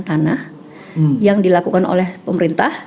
tanah yang dilakukan oleh pemerintah